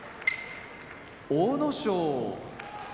阿武咲